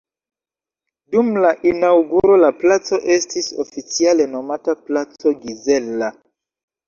Dum la inaŭguro la placo estis oficiale nomata placo Gizella.